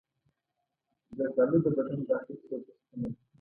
زردآلو د بدن داخلي سوزش کموي.